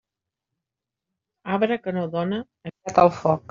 Arbre que no dóna, aviat al foc.